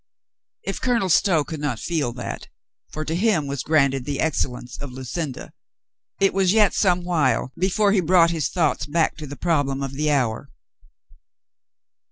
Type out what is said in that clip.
If Colonel Stow could not feel that — for to him was granted the excellence of Lucinda — it was yet some while before he brought his thoughts back to the problem of the hour.